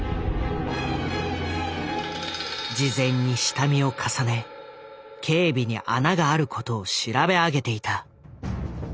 事前に下見を重ね警備に穴があることを調べ上げていた。